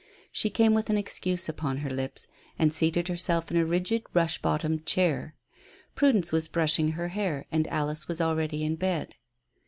She came with an excuse upon her lips, and seated herself in a rigid rush bottomed chair. Prudence was brushing her hair and Alice was already in bed.